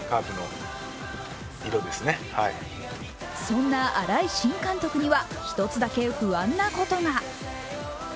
そんな新井新監督には１つだけ不安なことが。